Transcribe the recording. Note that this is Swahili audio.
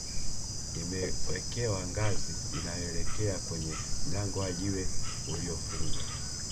imewekewa ngazi inayoelekea kwenye mlango wa jiwe uliyofungwa